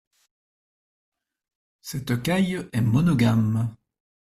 Cette caille est monogame.